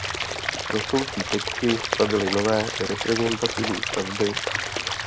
Rostoucí Pečky stavěly nové reprezentativní stavby.